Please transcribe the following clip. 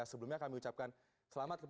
sebelumnya kami ucapkan selamat